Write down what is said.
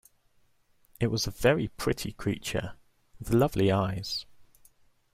It was a very pretty creature, with lovely eyes.